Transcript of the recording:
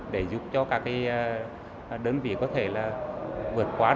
để giúp cho các đơn vị có thể là vượt qua